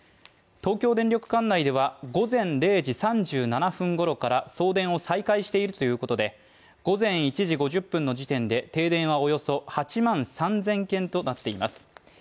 東京電力管内では、午前０時３７分ごろから送電を再開しているということで午前１時５０分の時点で停電はおよそ８万３０００件となっています。